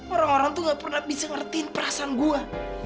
orang orang tuh gak pernah bisa ngertiin perasaan gue